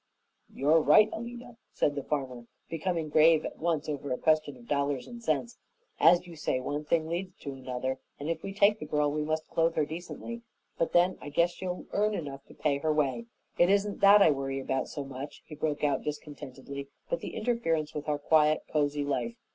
"You're right, Alida," said the farmer, becoming grave at once over a question of dollars and cents. "As you say, one thing leads to another, and if we take the girl we must clothe her decently. But then, I guess she'll earn enough to pay her way. It isn't that I worry about so much," he broke out discontentedly, "but the interference with our quiet, cozy life.